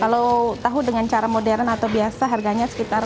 kalau tahu dengan cara modern atau biasa harganya sekitar